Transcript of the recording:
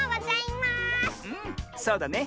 そうだね。